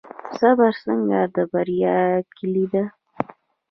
صبر څنګه د بریا کیلي ده؟